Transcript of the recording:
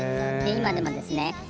今でもですね